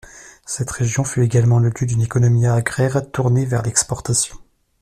Cette région fut également le lieu d'une économie agraire tournée vers l'exportation.